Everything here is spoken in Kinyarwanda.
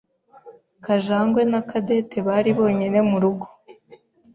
Kajangwe Na Cadette bari bonyine murugo.